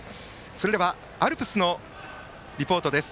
それではアルプスリポートです。